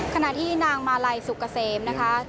ขณะที่นางมาลัยสุกเกษมนะคะ